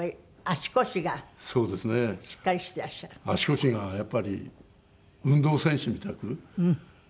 足腰がやっぱり運動選手みたく